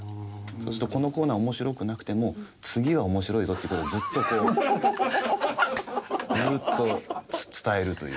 そうするとこのコーナー面白くなくても次は面白いぞって事をずっとずっと伝えるという。